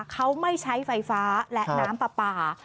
เขาไม่ใช้ไฟฟ้าและน้ำปลา